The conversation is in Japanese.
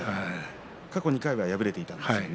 過去２回は敗れていたんですよね。